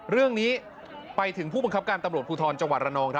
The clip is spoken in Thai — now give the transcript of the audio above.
เรื่องนี้ไปถึงผู้บังคับการตำรวจภูทรจังหวัดระนอง